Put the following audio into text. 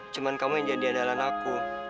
cuma kamu yang jadi andalan aku